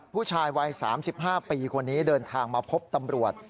ผู้ชายวัย๓๕ปีคนนี้เดินทางมาพบตำรวจ